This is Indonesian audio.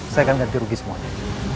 saya akan ganti rugi semuanya